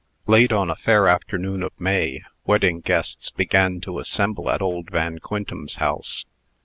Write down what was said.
Late on a fair afternoon of May, wedding guests began to assemble at old Van Quintem's house.